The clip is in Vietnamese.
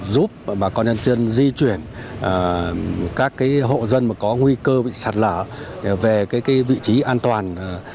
giúp bà con nhân dân di chuyển các hộ dân có nguy cơ bị sạt lở về vị trí an toàn